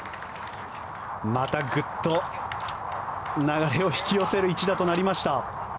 またグッと流れを引き寄せる一打となりました。